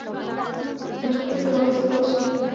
د خپلې تباهی سبب سوه.